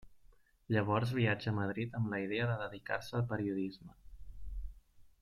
Llavors viatja a Madrid amb la idea de dedicar-se al periodisme.